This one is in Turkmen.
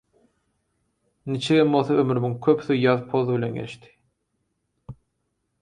niçigem bolsa ömrümiň köpüsi ýaz-poz bilen geçdi.